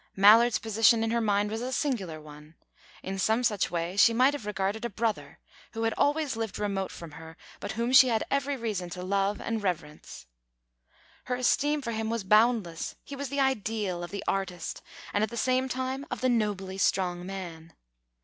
Mallard's position in her mind was a singular one; in some such way she might have regarded a brother who had always lived remote from her, but whom she had every reason to love and reverence. Her esteem for him was boundless; he was the ideal of the artist, and at the same time of the nobly strong man.